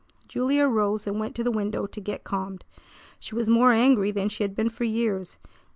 Julia arose and went to the window to get calmed. She was more angry than she had been for years.